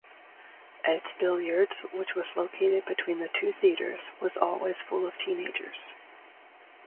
Ed's Billiards which was located between the two theaters was always full of teenagers.